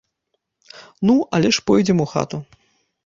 Ну, але ж пойдзем у хату.